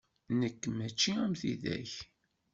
Nekk mačči am tidak.